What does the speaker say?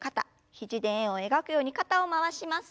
肘で円を描くように肩を回します。